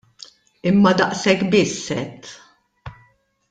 Imma daqshekk biss għidt!